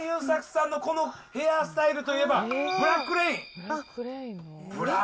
松田優作さんのこのヘアスタイルといえば、ブラックレイン。